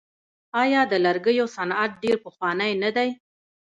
آیا د لرګیو صنعت ډیر پخوانی نه دی؟